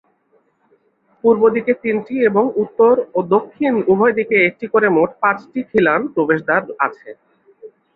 পূর্বদিকে তিনটি এবং উত্তর ও দক্ষিণ উভয়দিকে একটি করে মোট পাঁচটি খিলান প্রবেশদ্বার আছে।